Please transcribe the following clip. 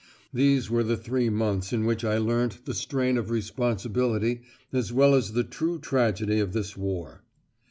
These were the three months in which I learnt the strain of responsibility as well as the true tragedy of this war.